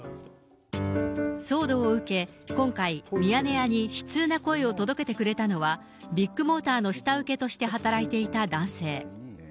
騒動を受け、今回、ミヤネ屋に悲痛な声を届けてくれたのは、ビッグモーターの下請けとして働いていた男性。